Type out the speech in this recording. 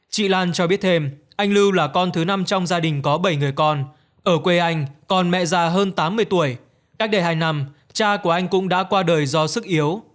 chị lan cho biết thêm anh lưu là con thứ năm trong gia đình có bảy người con ở quê anh còn mẹ già hơn tám mươi tuổi cách đây hai năm cha của anh cũng đã qua đời do sức yếu